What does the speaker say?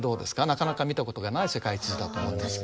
なかなか見たことがない世界地図だと思います。